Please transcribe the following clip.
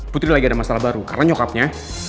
putri lagi ada masalah baru karena nyokapnya